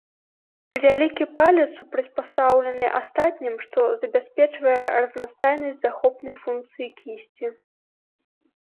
Вялікі палец супрацьпастаўлены астатнім, што забяспечвае разнастайнасць захопнай функцыі кісці.